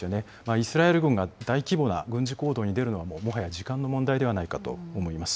イスラエル軍が大規模な軍事行動に出るのは、もうもはや時間の問題ではないかと思います。